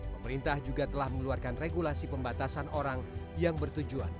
pemerintah juga telah mengeluarkan regulasi pembatasan orang yang bertujuan